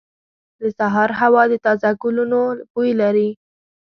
• د سهار هوا د تازه ګلونو بوی لري.